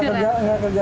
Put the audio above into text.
dirumahin dulu ya